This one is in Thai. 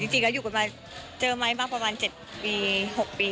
จริงแล้วอยู่กันมาเจอไหมมาประมาณ๗ปี๖ปี